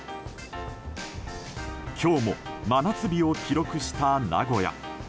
今日も真夏日を記録した名古屋。